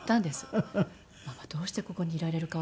「ママどうしてここにいられるかわかる？